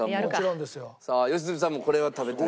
さあ良純さんもこれは食べたい？